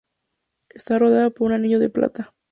Está rodeada por un anillo de plata.